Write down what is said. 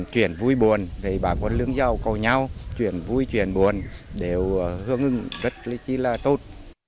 chuyển vui buồn bà con lương giàu cầu nhau chuyển vui chuyển buồn đều hương ưng rất lý trí là tốt